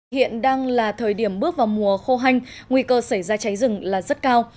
hiện đang là thời điểm bước vào mùa khô hanh nguy cơ xảy ra cháy rừng là rất cao